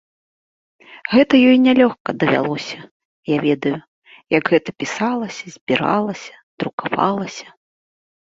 Гэта ёй нялёгка далося, я ведаю, як гэта пісалася, збіралася, друкавалася.